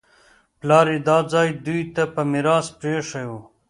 پلار یې دا ځای دوی ته په میراث پرېښی و